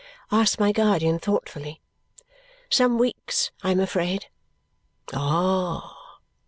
asked my guardian thoughtfully. "Some weeks, I am afraid." "Ah!"